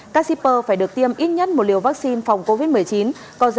các shipper phải được tiêm ít nhất một liều vaccine phòng covid một mươi chín